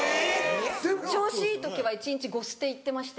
調子いい時は一日５ステいってまして。